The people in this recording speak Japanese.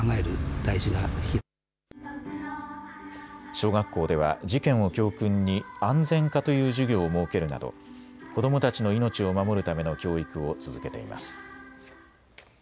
小学校では事件を教訓に安全科という授業を設けるなど子どもたちの命を守るための教育を続けています。